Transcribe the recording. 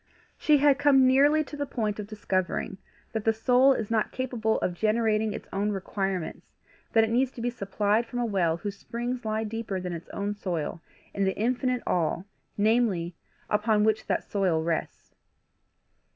She had come nearly to the point of discovering that the soul is not capable of generating its own requirements, that it needs to be supplied from a well whose springs lie deeper than its own soil, in the infinite All, namely, upon which that soil rests.